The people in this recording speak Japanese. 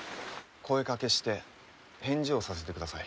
声かけして返事をさせてください。